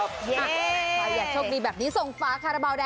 สุดท้ายค่ะสุดท้ายค่ะ